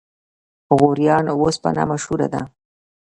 غوریان وسپنه مشهوره ده؟